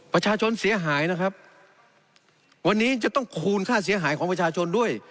ประชาชนเสียหายนะครับวันนี้จะต้องคูณค่าเสียหายของประชาชนด้วย